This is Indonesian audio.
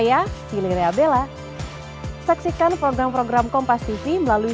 yang akan melaporkan itu